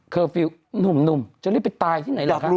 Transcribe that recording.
เกอร์ละชิ้นนุ่มจะได้เป็นตายที่ไหนละค่ะ